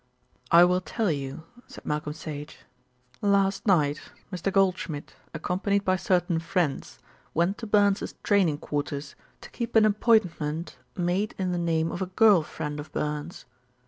"I will tell you," said Malcolm Sage. "Last night Mr. Goldschmidt, accompanied by certain friends, went to Burns's training quarters to keep an appointment made in the name of a girl friend of Burns.